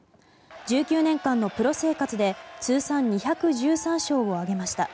１９年間のプロ生活で通算２１３勝を挙げました。